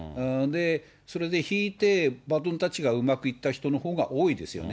それで引いて、バトンタッチがうまくいった人のほうが多いですよね。